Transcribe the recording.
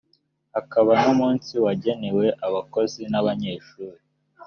hakaba n’umunsi wagenewe abakozi n’abanyeshuri